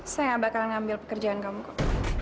saya gak bakalan ngambil pekerjaan kamu kok